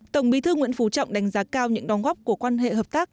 tổng bí thư nguyễn phú trọng đánh giá cao những đóng góp của quan hệ hợp tác